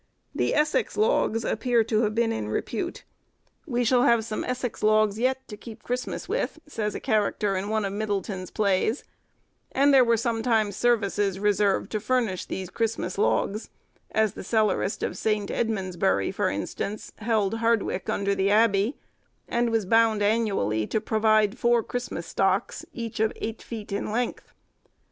The Essex logs appear to have been in repute, "We shall have some Essex logs yet to keep Christmas with," says a character in one of Middleton's plays; and there were sometimes services reserved to furnish these Christmas logs; as the cellarist of St. Edmundsbury, for instance, held Hardwick under the Abbey, and was bound annually to provide four Christmas stocks, each of eight feet in length.